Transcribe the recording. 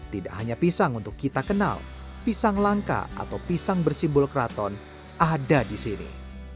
tidak hanya pisang untuk kita kenal pisang langka atau pisang bersimbol keraton ada di sini